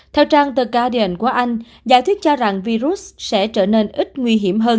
theo trang the guardian của anh giả thuyết cho rằng virus sẽ trở nên ít nguy hiểm hơn